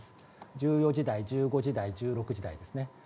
１４時台、１５時台１６時台ですね。